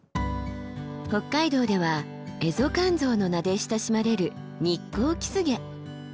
北海道ではエゾカンゾウの名で親しまれるニッコウキスゲ。